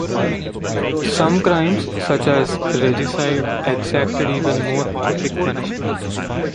Some crimes, such as regicide, exacted even more horrific punishment.